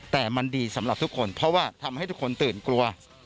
แต่มันดีสำหรับทุกคนเพราะว่าทำให้ทุกคนตื่นกลัว